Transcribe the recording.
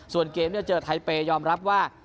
ส่วนเกมเจอไทเปย์ยอมรับว่า